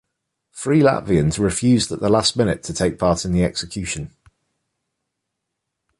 Three Latvians refused at the last minute to take part in the execution.